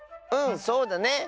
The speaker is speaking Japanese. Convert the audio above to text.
うんそうだね！